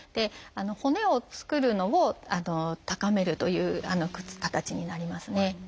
骨を作るのを高めるという形になりますね。